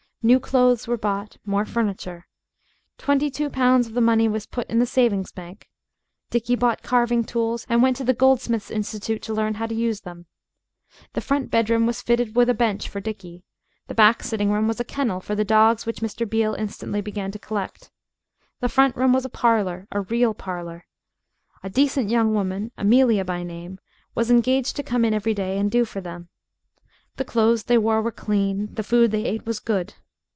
New clothes were bought more furniture. Twenty two pounds of the money was put in the savings bank. Dickie bought carving tools and went to the Goldsmiths' Institute to learn to use them. The front bedroom was fitted with a bench for Dickie. The back sitting room was a kennel for the dogs which Mr. Beale instantly began to collect. The front room was a parlor a real parlor. A decent young woman Amelia by name was engaged to come in every day and "do for" them. The clothes they wore were clean; the food they ate was good.